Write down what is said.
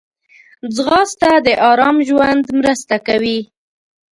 ځغاسته د آرام ژوند مرسته کوي